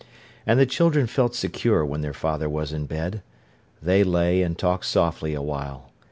And the children felt secure when their father was in bed. They lay and talked softly awhile.